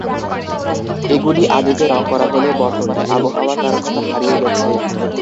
এগুলি আদিতে রং করা হলেও বর্তমানে আবহাওয়ার কারণে তা হারিয়ে গেছে।